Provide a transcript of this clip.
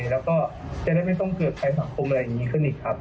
แล้วก็จะได้ไม่ต้องเกิดภัยสังคมอะไรอย่างนี้ขึ้นอีกครับ